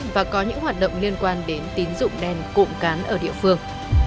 và có những hoạt động liên quan đến tín dụng đen cụm cán ở địa phương